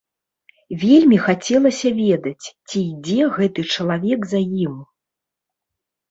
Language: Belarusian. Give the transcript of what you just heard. Вельмі хацелася ведаць, ці ідзе гэты чалавек за ім?